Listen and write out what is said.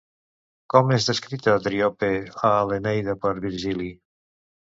Com és descrita Driope a l'Eneida per Virgili?